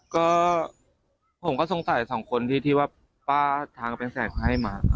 ก็ผมก็สงสัย๒คนที่ที่ว่าป้าทางกับแผงแสกมาให้มา